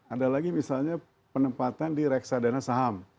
ada lagi misalnya penempatan di reksadana saham